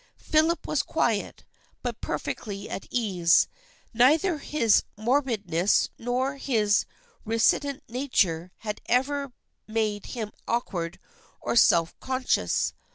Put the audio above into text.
Philip was quiet, but per fectly at ease. Neither his morbidness nor his ret icent nature had ever made him awkward or self conscious.